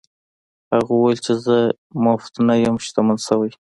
هغه وویل چې زه مفت نه یم شتمن شوی.